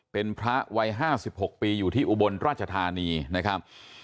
เป็นพระวัย๕๖ปีอยู่ที่อุบลราชธานีนะครับ